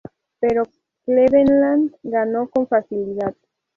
Pero Cleveland ganó con facilidad.